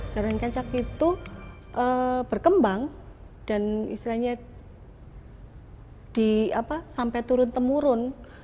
jalan kencak itu berkembang dan istilahnya sampai turun temurun